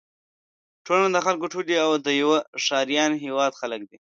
ټولنه د خلکو ټولی او د یوه ښار یا هېواد خلک دي.